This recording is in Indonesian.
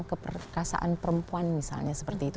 keperkasaan perempuan misalnya seperti itu